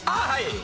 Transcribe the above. はい！